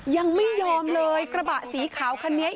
ยังไม่ยอมเลยกระบะสีขาวคันนี้